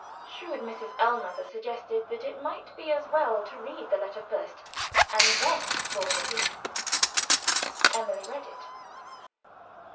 Shrewd Mrs. Ellmother suggested that it might be as well to read the letter first and then to form an opinion. Emily read it.